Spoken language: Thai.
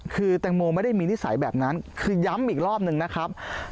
คือแตงโมไม่ได้มีนิสัยแบบนั้นคือย้ำอีกรอบนึงนะครับ